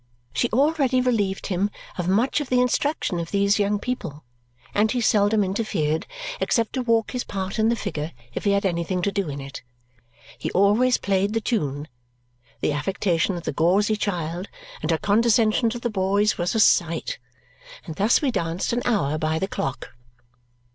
She already relieved him of much of the instruction of these young people, and he seldom interfered except to walk his part in the figure if he had anything to do in it. He always played the tune. The affectation of the gauzy child, and her condescension to the boys, was a sight. And thus we danced an hour by the clock.